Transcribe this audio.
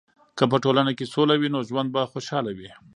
که په ټولنه کې سوله وي، نو ژوند به خوشحاله وي.